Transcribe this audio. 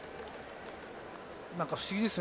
なんか不思議ですね。